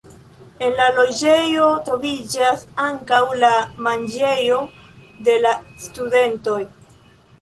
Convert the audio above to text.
En la loĝejo troviĝas ankaŭ la manĝejo de la studentoj.